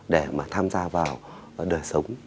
để mà tham gia vào đời sống